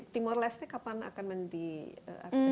timor leste kapan akan diakui